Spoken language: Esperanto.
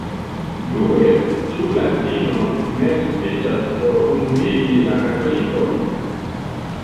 Due, ĉu latino ne sufiĉas por unuigi la katolikojn.